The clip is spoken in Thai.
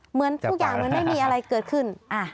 เหมือนทุกอย่างเหมือนไม่มีอะไรเกิดขึ้น